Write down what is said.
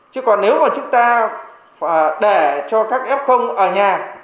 chứ còn nếu mà chúng ta để cho các f ở nhà